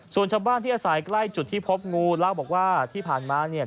ส่วนชาวบ้านที่อาศัยใกล้จุดที่พบงูเล่าบอกว่าที่ผ่านมาเนี่ย